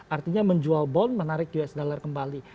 artinya menjual bond menarik us dollar kembali